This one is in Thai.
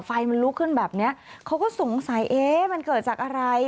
ไฟมันลุกขึ้นแบบเนี้ยเขาก็สงสัยเอ๊ะมันเกิดจากอะไร